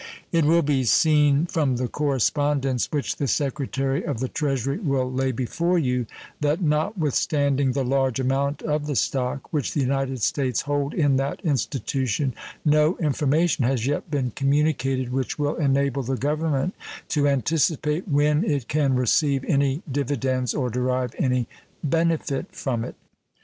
It will be seen from the correspondence which the Secretary of the Treasury will lay before you that not withstanding the large amount of the stock which the United States hold in that institution no information has yet been communicated which will enable the Government to anticipate when it can receive any dividends or derive any benefit from it.